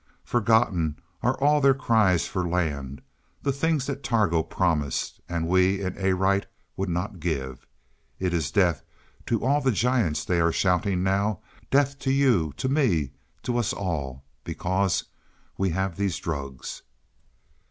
Forgotten are all their cries for land the things that Targo promised, and we in Arite would not give. It is death to all the giants they are shouting now: death to you, to me, to us all, because we have these drugs."